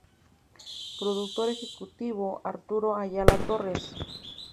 Productor Ejecutivo: Arturo Ayala Torres.